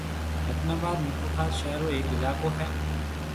رتن آباد ميرپورخاص شھر رو ھيَََڪ علائقو ھيََََ